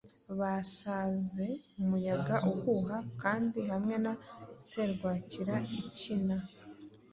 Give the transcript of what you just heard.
Basaze umuyaga uhuha, Kandi hamwe na serwakira ikina.